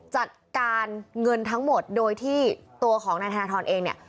จัดการเงินทั้งหมดโดยที่ตัวของนายธนทรเองเนี่ย